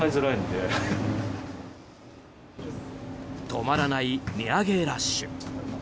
止まらない値上げラッシュ。